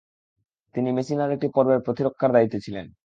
তিনি মেসিনার একটি পর্বের প্রতিরক্ষার দায়িত্বে ছিলেন।